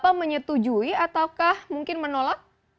bapak menyetujui ataukah mungkin menolak